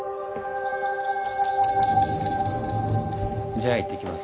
・じゃあいってきます。